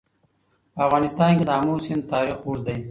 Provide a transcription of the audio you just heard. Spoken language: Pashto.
په افغانستان کې د آمو سیند تاریخ اوږد دی.